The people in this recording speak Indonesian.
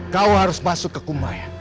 kau harus masuk ke kumay